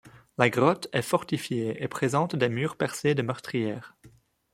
La grotte est fortifiée et présente des murs percés de meurtrières.